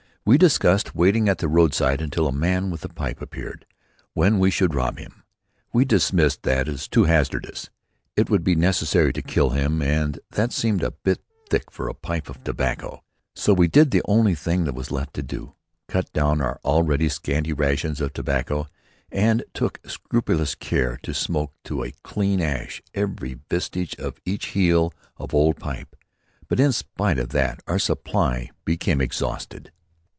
We discussed waiting at the roadside until a man with a pipe appeared; when we should rob him. We dismissed that as too hazardous. It would be necessary to kill him and that seemed a bit thick for a pipe of tobacco. So we did the only thing that was left to do cut down our already scanty rations of tobacco and took scrupulous care to smoke to a clean ash every vestige of each heel of old pipe, but in spite of that our supply became exhausted.